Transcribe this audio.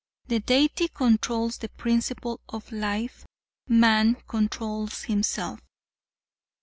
The Deity controls the principle of life; man controls himself.